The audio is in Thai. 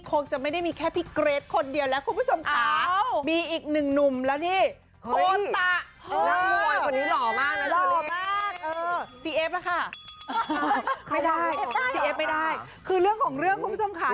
คงจะไม่ได้มีแค่พี่เกรทคนเดียวแหละคุณผู้ชมขา